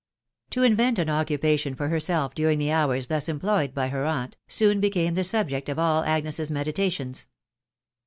To invent an occupation for herself during the hours thus employed by her aunt, soon became the subject of all fytf'ft meditations.